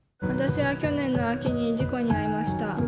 私は去年の秋に事故に遭いました。